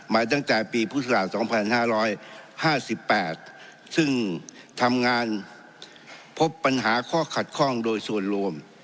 มาตั้งแต่ปีพุทธศาส๒๕๕๘ซึ่งทำงานพบปัญหาข้อขัดข้องโดยส่วนรวม